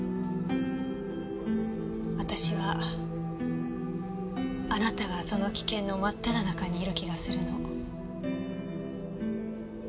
私はあなたがその危険の真っただ中にいる気がするの。